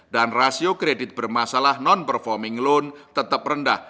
dan rasio kredit bermasalah non performing loan tetap rendah